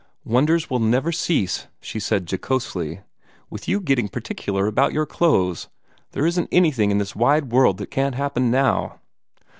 "Wonders will never cease," she said jocosely. "With you getting particular about your clothes, there isn't anything in this wide world that can't happen now!"